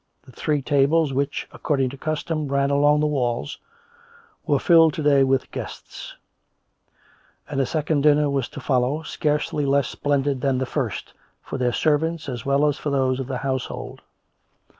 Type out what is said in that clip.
The three tables, which, according to custom, ran along the walls, were filled to day with guests ; and a second dinner was to follow, scarcely less splendid than the first, for their servants as well as for those of the hoiisehold.